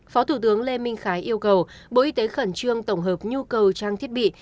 phó thủ tướng lê minh khái yêu cầu bộ y tế khẩn trương tổng hợp nhu cầu trang thiết bị